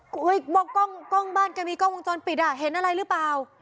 เฮ้ยบ้านก็มีกล้องวงจรปิดเห็นอะไรหรือเปล่า